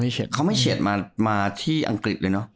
เฉียดเขาไม่เฉียดมาที่อังกฤษเลยเนอะ